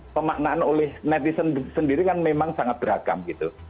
pemaknaan oleh netizen sendiri kan memang sangat beragam gitu